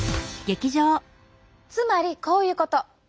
つまりこういうこと。